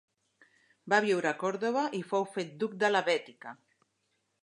Va viure a Còrdova i fou fet duc de la Bètica.